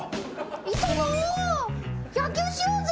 磯野野球しようぜ。